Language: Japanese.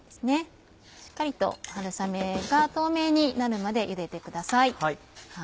しっかりと春雨が透明になるまでゆでてください。